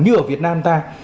như ở việt nam ta